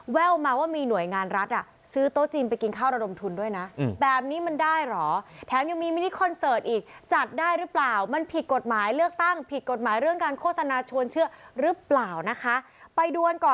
แววมาว่ามีหน่วยงานรัฐ